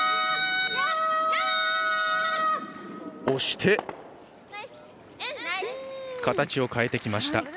押して、形を変えてきました。